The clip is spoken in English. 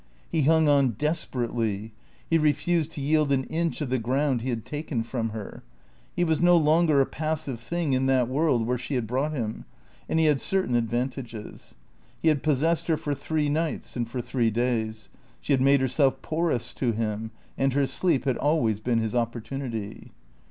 He hung on desperately; he refused to yield an inch of the ground he had taken from her. He was no longer a passive thing in that world where she had brought him. And he had certain advantages. He had possessed her for three nights and for three days. She had made herself porous to him; and her sleep had always been his opportunity.